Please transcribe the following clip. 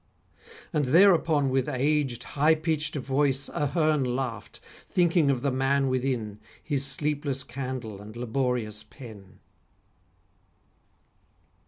_And thereupon with aged, high pitched voice Aherne laughed, thinking of the man within, His sleepless candle and laborious pen.